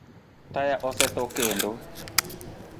Taya osetho kendo?